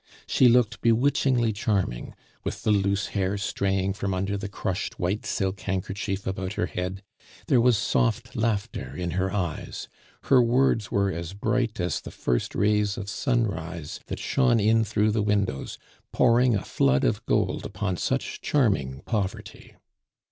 She looked bewitchingly charming, with the loose hair straying from under the crushed white silk handkerchief about her head; there was soft laughter in her eyes; her words were as bright as the first rays of sunrise that shone in through the windows, pouring a flood of gold upon such charming poverty.